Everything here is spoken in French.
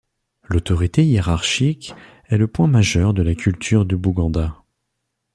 L'autorité hiérarchique est le point majeur de la culture du Bouganda.